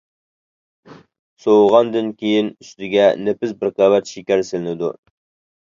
سوۋۇغاندىن كېيىن ئۈستىگە نېپىز بىر قەۋەت شېكەر سېلىنىدۇ.